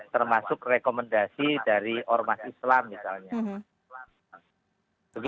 termasuk rekomendasi dari ormas islam misalnya